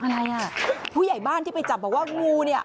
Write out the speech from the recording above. อะไรอ่ะผู้ใหญ่บ้านที่ไปจับบอกว่างูเนี่ย